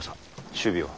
首尾は？